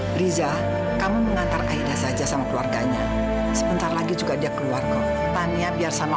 hai riza kamu mengantar aida saja sama keluarganya sebentar lagi juga dia keluar kok tanya biar sama